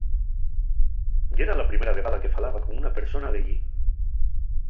Yera la primera vegada que falaba con una persona d'ellí.